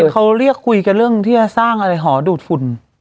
เขาเรียกคุยกันเรื่องที่จะสร้างอะไรหอดูดฝุ่น